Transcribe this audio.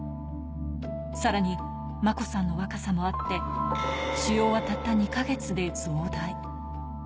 さらに真子さんの若さもあって腫瘍はたった２か月で増大。